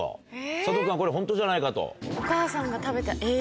佐藤君はこれホントじゃないかと。